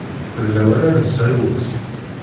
D lawan ad nesɣiwes.